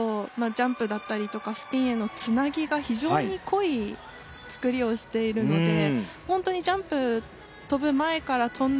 ジャンプだったりとかスピンへのつなぎが非常に濃い作りをしているので本当にジャンプ跳ぶ前から跳んだ